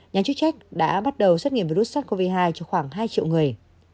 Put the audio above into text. nhà chức trách đã bắt đầu xét nghiệm virus sars cov hai cho khoảng hai triệu người